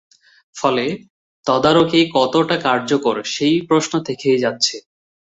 ফলে তদারকি কতটা কার্যকর, সেই প্রশ্ন থেকেই যাচ্ছে।